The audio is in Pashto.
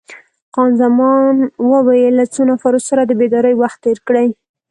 خان زمان وویل: له څو نفرو سره د بېدارۍ وخت تیر کړی؟